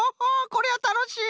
これはたのしい！